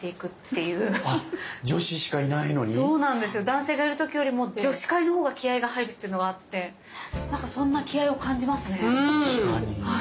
男性がいる時よりも女子会のほうが気合いが入るっていうのがあってなんかそんな気合いを感じますね。